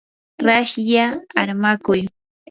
raslla armakuy.